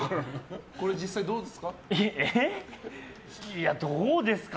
実際どうですか？